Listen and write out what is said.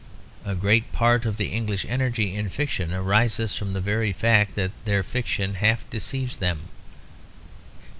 A great part of the English energy in fiction arises from the very fact that their fiction half deceives them.